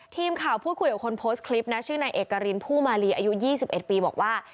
ทีมข่าวพูดคุยกับคนโพสต์คลิปนะชื่อนายเอกรินผู้มาลีอายุ๒๑ปีบอกว่า